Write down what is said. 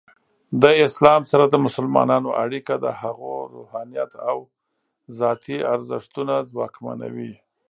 د اسلام سره د مسلمانانو اړیکه د هغوی روحانیت او ذاتی ارزښتونه ځواکمنوي.